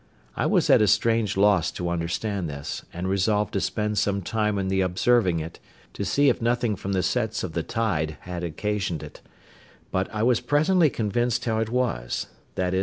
I was at a strange loss to understand this, and resolved to spend some time in the observing it, to see if nothing from the sets of the tide had occasioned it; but I was presently convinced how it was—viz.